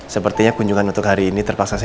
sepertinya kunjungan untuk hari ini terpaksa selesai